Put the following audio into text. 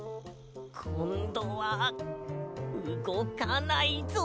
こんどはうごかないぞ。